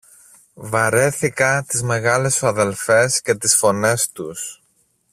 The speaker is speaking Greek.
Βαρέθηκα τις μεγάλες σου αδελφές και τις φωνές τους!